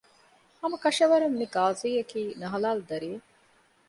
ހަމަކަށަވަރުން މި ޤާޟީއަކީ ނަހަލާލު ދަރިއެއް